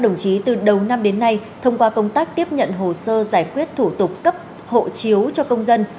đồng chí từ đầu năm đến nay thông qua công tác tiếp nhận hồ sơ giải quyết thủ tục cấp hộ chiếu cho công dân